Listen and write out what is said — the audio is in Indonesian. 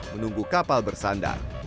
menunggu kapal bersandar